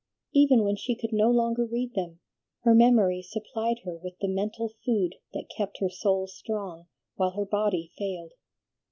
Even when she could no longer read them, her memory supplied her with the mental food that kept her soul strong while her body failed.